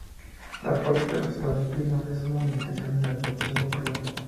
La puerta del Hostal de Pinós es una invitación a la devoción popular.